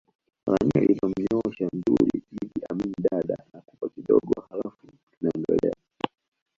Tanzania ilivyomnyoosha Nduli Iddi Amin Dadaa nakupa kidogo haLafu tunaendelea